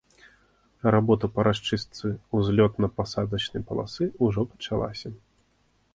Работа па расчыстцы ўзлётна-пасадачнай паласы ўжо пачалася.